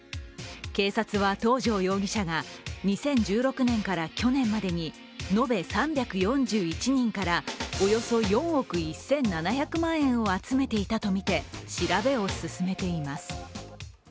警察は東條容疑者が２０１６年から去年までに延べ３４１人からおよそ４億１７００万円を集めていたとみて調べを進めています。